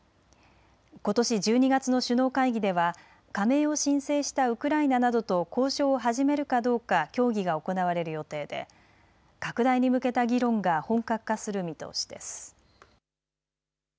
ことし１２月の首脳会議では加盟を申請したウクライナなどと交渉を始めるかどうか協議が行われる予定で拡大に向けた議論が本格化する見通しです。